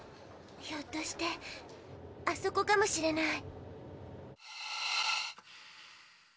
ひょっとしてあそこかもしれない。